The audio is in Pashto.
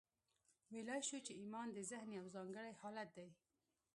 ویلای شو چې ایمان د ذهن یو ځانګړی حالت دی